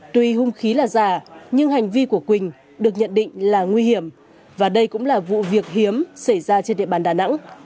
tuy hung khí là giả nhưng hành vi của quỳnh được nhận định là nguy hiểm và đây cũng là vụ việc hiếm xảy ra trên địa bàn đà nẵng